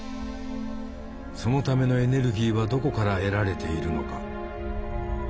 そのためのエネルギーはどこから得られているのか。